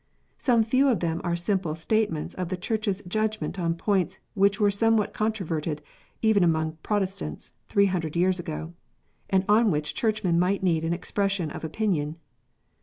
Some few of them are simple state ments of the Church s judgment on points which were somewhat controverted, even among Protestants, 300 hundred years ago, and on which Churchmen might need an expression of opinion.